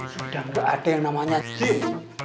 sudah tidak ada yang namanya jin